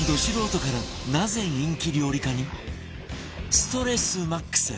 ストレスマックス！